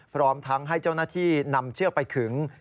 พร้อมทั้งให้เจ้าหน้าที่นำเชือกไปขึง